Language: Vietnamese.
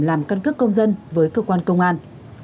làm căn cước công dân với cơ quan công an